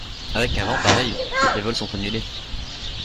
Avec un vent pareil, les vols sont annulés.